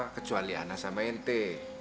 kecuali ana sama ente